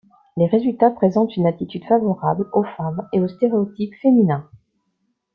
Les résultats présentent une attitude favorable aux femmes et aux stéréotypes féminins.